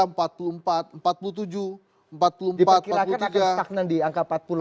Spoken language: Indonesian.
dipikir kirakan akan stagnan di angka empat puluh lima persen